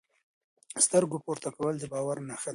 سترګو پورته کول د باور نښه ده.